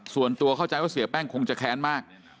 ส่วนตัวเข้าใจว่าเสียแป้งคงจะแค้นมาก